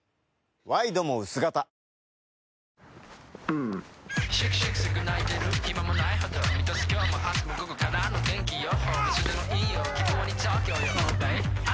ワイドも薄型三山）